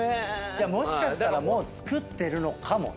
もしかしたらもう作ってるのかもね。